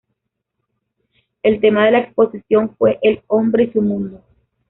El tema de la exposición fue "el hombre y su mundo".